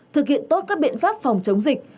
thực hiện tốt các biện pháp phòng chống dịch